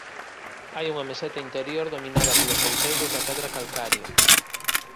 Hai unha meseta interior dominada polos outeiros da pedra calcaria.